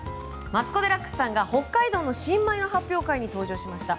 マツコ・デラックスさんが北海道の新米発表会に出席しました。